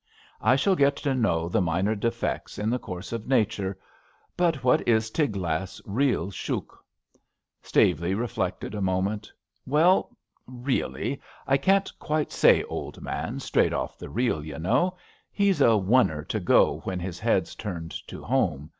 I shall get to know the minor defects in the course of nature; but what is Tiglath's real shouk? '' Staveley reflected a moment. *^ Well, really, I can't quite say, old man, straight off the reel, y' know. He's a oner to go when his head's turned to home.